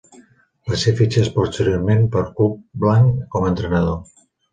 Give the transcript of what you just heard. Va ser fitxat posteriorment pel club blanc com a entrenador.